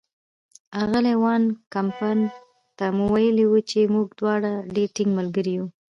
اغلې وان کمپن ته مو ویلي وو چې موږ دواړه ډېر ټینګ ملګري یو.